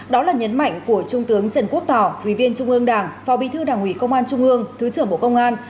đó là nhấn mạnh của trung tướng trần quốc tỏ ủy viên trung ương đảng phó bí thư đảng ủy công an trung ương thứ trưởng bộ công an